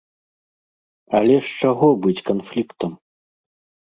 Але з чаго быць канфліктам?